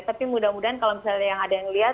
tapi mudah mudahan kalau misalnya yang ada yang lihat